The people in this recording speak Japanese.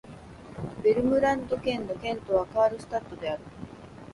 ヴェルムランド県の県都はカールスタッドである